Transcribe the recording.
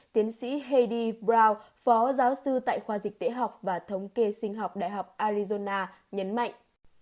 tiến sĩ heidi brown phó giáo sư tại khoa dịch tế học và thống kê sinh học đại học arizona nhấn mạnh